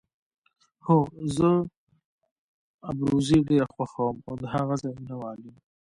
هو، زه ابروزي ډېره خوښوم او د هغه ځای مینه وال یم.